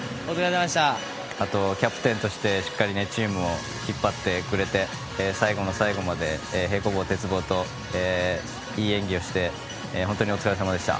キャプテンとしてしっかりとチームを引っ張ってくれて最後の最後まで平行棒、鉄棒といい演技をして本当にお疲れさまでした。